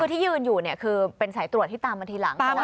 คือที่ยืนอยู่เนี่ยคือเป็นสายตรวจที่ตามมาทีหลัง